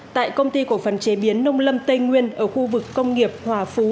tại công ty cổ phần chế biến nông lâm tây nguyên ở khu vực công nghiệp hòa phú